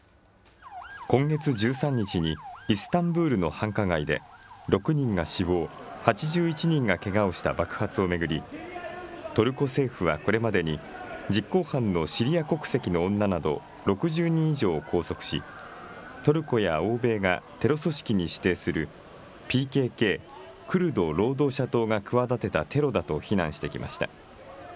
今月１３日にイスタンブールの繁華街で６人が死亡、８１人がけがをした爆発を巡り、トルコ政府はこれまでに、実行犯のシリア国籍の女など６０人以上を拘束し、トルコや欧米がテロ組織に指定する、ＰＫＫ・クルド労働者党が企てたテロだと非難してきました。